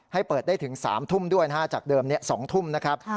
ให้เปิดได้ถึง๓ทุ่มด้วยนะฮะจากเดิม๒ทุ่มนะครับ